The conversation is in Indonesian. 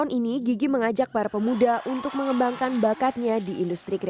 melalui seni tari gigi mengajak para pemuda untuk mengembangkan bakatnya di industri karya